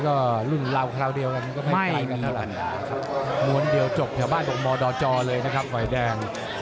ก็รุ่นเราคราวเดียวกันก็ไม่มีกันทรรณาครับม้วนเดียวจบแถวบ้านบนมดจเลยนะครับไหว้แดง